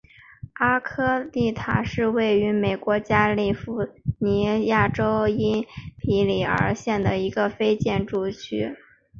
阿科利塔是位于美国加利福尼亚州因皮里尔县的一个非建制地区。